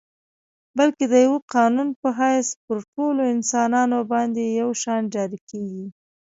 بلکه د یوه قانون په حیث پر ټولو انسانانو باندي یو شان جاري کیږي.